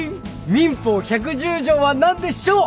民法１１０条は何でしょう？